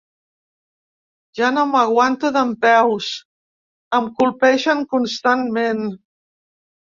Ja no m’aguanto dempeus, em colpegen constantment.